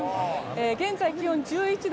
現在、気温１１度。